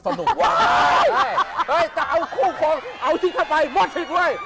เอ้ยจะเอาคู่ของเอาชิคกี้พายบ้อยชิดด้วย